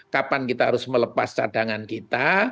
kapan kita harus melepas cadangan kita